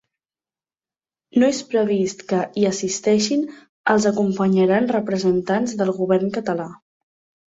No és previst que hi assisteixin els acompanyaran representants del govern català.